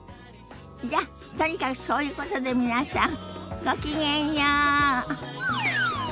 じゃとにかくそういうことで皆さんごきげんよう。